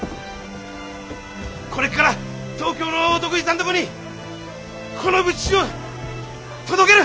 これっから東京のお得意さんとこにこの物資を届ける。